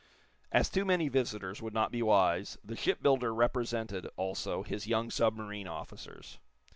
As too many visitors would not be wise the shipbuilder represented, also, his young submarine officers.